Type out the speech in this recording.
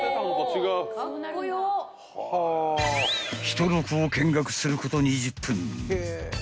［ヒトロクを見学すること２０分］